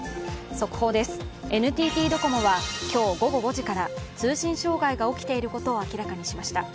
速報です、ＮＴＴドコモは今日午後５時から通信障害が起きていることを明らかにしました。